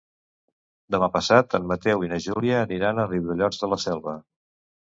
Demà passat en Mateu i na Júlia aniran a Riudellots de la Selva.